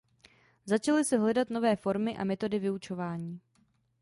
Začaly se hledat nové formy a metody vyučování.